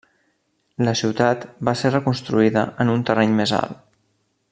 La ciutat va ser reconstruïda en un terreny més alt.